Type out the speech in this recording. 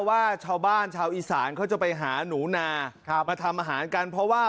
ว่าชาวบ้านชาวอีสานเขาจะไปหาหนูนามาทำอาหารกันเพราะว่า